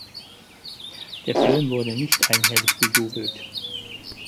Der Film wurde nicht einhellig bejubelt.